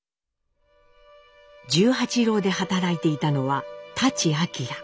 十八楼で働いていたのは舘晃。